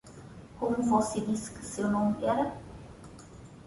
Como você disse que seu nome era?